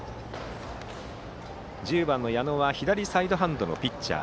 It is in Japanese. １０番の矢野は左サイドハンドのピッチャー。